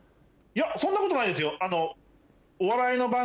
そんなことないですよ。